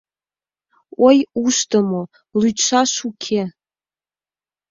— Ой, ушдымо, лӱдшаш уке